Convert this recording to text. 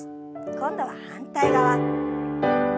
今度は反対側。